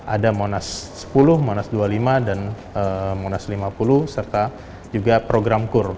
ada monas sepuluh monas dua puluh lima dan monas lima puluh serta juga program kur